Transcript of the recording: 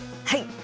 はい。